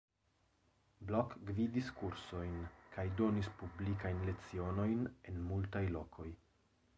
Blok gvidis kursojn kaj donis publikajn lecionojn en multaj lokoj.